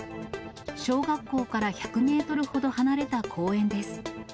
小学校から１００メートルほど離れた公園です。